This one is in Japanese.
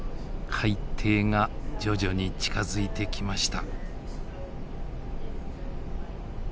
海底が徐々に近づいてきました。